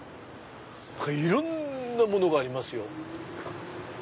いろんなものがありますよ。